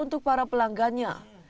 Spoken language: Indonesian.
untuk para pelanggannya